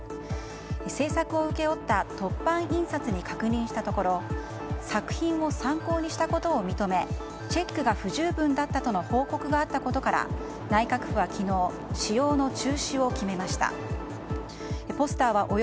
制作を請け負った凸版印刷に確認したところ作品を参考にしたことを認めチェックが不十分だったとの報告があったことから内閣府は昨日カレーエビフライ！